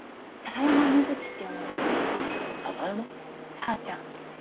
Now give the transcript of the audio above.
「さーちゃん」。